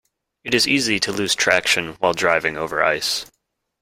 It is easy to lose traction while driving over ice.